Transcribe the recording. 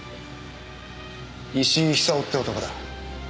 石井久雄って男だ。